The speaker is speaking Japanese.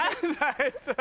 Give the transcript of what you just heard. あいつら！